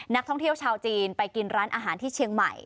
นักท่องเที่ยวชาวจีนไปกินร้านอาหารที่เชียงใหม่